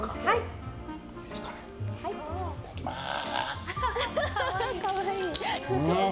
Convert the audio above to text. いただきます！